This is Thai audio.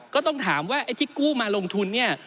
ก็ต้องถามว่าไอ้ที่กู้มาลงทุนเนี่ย